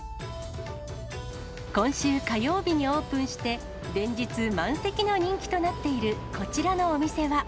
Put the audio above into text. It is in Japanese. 今週火曜日にオープンして、連日満席の人気となっているこちらのお店は。